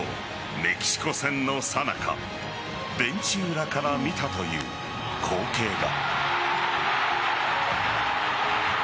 メキシコ戦のさなかベンチ裏から見たという光景が。